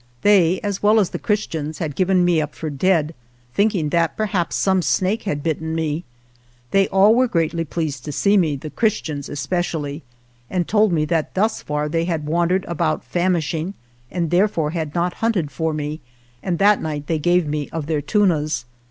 They, as well as the Christians, had given me up for dead, thinking that perhaps some snake had bitten me. They all were greatly pleased to see me, the Christians especially, 103 THE JOURNEY OF and told me that thus far they had wan dered about famishing, and therefore had not hunted for me, and that night they gave me of their tunas.